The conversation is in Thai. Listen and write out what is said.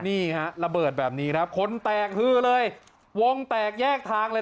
นี่ฮะระเบิดแบบนี้ครับคนแตกฮือเลยวงแตกแยกทางเลย